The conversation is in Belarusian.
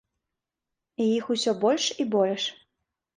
І іх усё больш і больш.